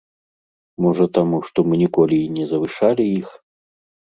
Можа таму, што мы ніколі і не завышалі іх?